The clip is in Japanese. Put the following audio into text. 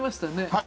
はい。